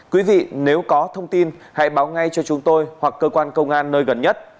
quý vị nếu có thông tin hãy báo ngay cho chúng tôi hoặc cơ quan công an nơi gần nhất